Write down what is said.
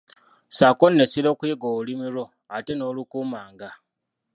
Ssaako nno essira okuyiga olulimi lwo ate n'olukuumanga.